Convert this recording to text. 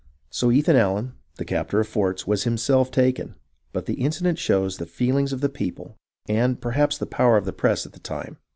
So Ethan Allen, the captor of forts, was himself taken, but the incident shows the feehngs of the people, and, per haps, the power of the press at the time.